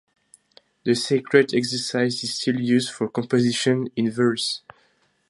The Sacred Exercise is still used for composition in verse.